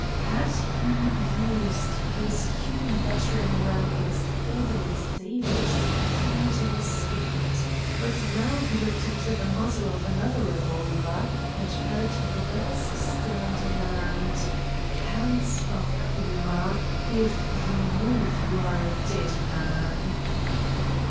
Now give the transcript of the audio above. Had he used his human battering ram against Holden and David he might have escaped. But now he looked into the muzzle of another revolver, and heard Brett's stern demand: "Hands up, Ooma! If you move you are a dead man?"